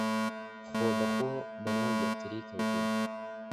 خۆبەخۆ بەناو یەکتری کەوتوون